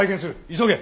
急げ。